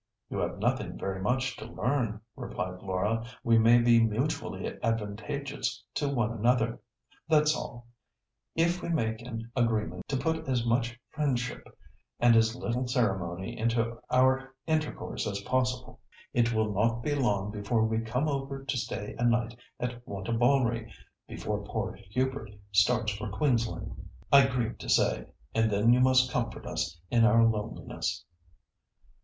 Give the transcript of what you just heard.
"You have nothing very much to learn," replied Laura; "we may be mutually advantageous to one another, that's all, if we make an agreement to put as much friendship and as little ceremony into our intercourse as possible. It will not be long before we come over to stay a night at Wantabalree, before poor Hubert starts for Queensland, I grieve to say, and then you must comfort us in our loneliness."